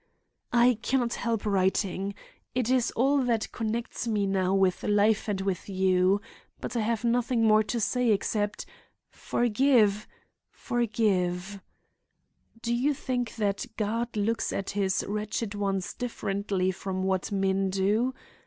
"I can not help writing. It is all that connects me now with life and with you. But I have nothing more to say except, forgive—forgive— "Do you think that God looks at his wretched ones differently from what men do?